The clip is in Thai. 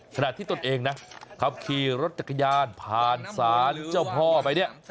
ส่วนที่ตัวเองนะครับขี่รถจักรยานผ่าเป็นกราศาสตร์กับเจ้าพ่อไปเนี่ย